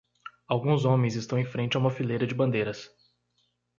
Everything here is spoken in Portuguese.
Alguns homens estão em frente a uma fileira de bandeiras.